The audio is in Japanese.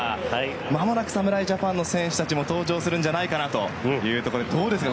まもなく侍ジャパンの選手たちも登場するんじゃないかなというところでどうですか？